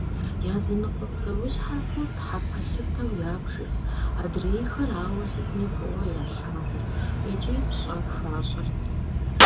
Языныкъуэ псэущхьэхэр тхьэпэлъытэу ябжырт, адрейхэр ауэ сытми фӏыуэ ялъагъурт икӏи пщӏэ хуащӏырт.